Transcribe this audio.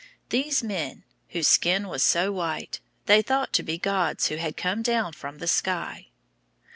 These men, whose skin was so white, they thought to be gods who had come down from the sky.